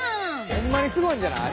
ホンマにすごいんじゃない？